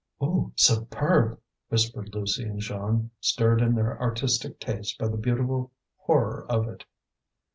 "Oh! superb!" whispered Lucie and Jeanne, stirred in their artistic tastes by the beautiful horror of it.